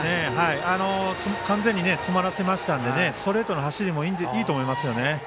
完全に詰まらせましたのでストレートの走りもいいと思いますね。